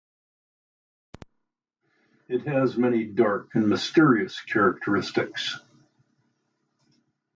It has many dark and mysterious characteristics.